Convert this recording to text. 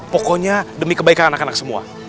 pokoknya demi kebaikan anak anak semua